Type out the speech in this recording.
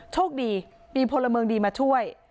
โชคดีมีพลเมืองดีมาช่วย